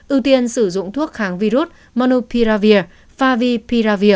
ưu tiên sử dụng thuốc kháng virus monopiravir